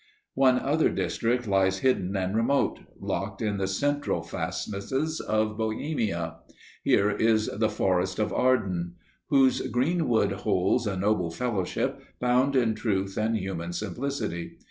One other district lies hidden and remote, locked in the central fastnesses of Bohemia. Here is the Forest of Arden, whose greenwood holds a noble fellowship, bound in truth and human simplicity.